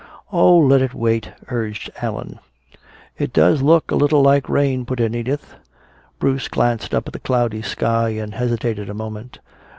"Oh, let it wait," urged Allan. "It does look a little like rain," put in Edith. Bruce glanced up at the cloudy sky and hesitated a moment.